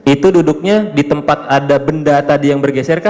itu duduknya di tempat ada benda tadi yang bergeser kah